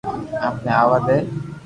ايني ايني آوا دي